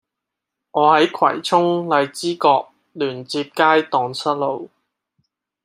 我喺葵涌荔枝角聯接街盪失路